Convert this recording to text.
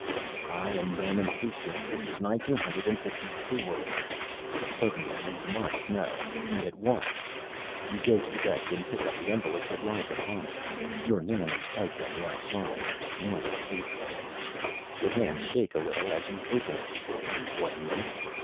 I am Norman Hastings. This is nineteen hundred and fifty four. Suddenly you must know, and at once. You go to the desk and pick up the envelope that lies upon it. Your name is typed on the outside: Norman Hastings. Your hands shake a little as you open it. Do you blame them?